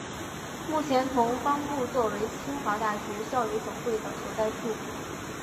目前同方部作为清华大学校友总会的所在处。